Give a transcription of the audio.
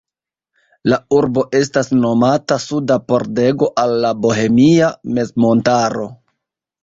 La urbo estas nomata "Suda pordego al la Bohemia mezmontaro".